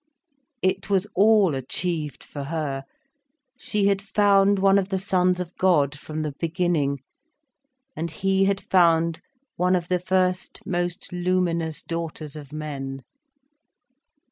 It was all achieved, for her. She had found one of the sons of God from the Beginning, and he had found one of the first most luminous daughters of men.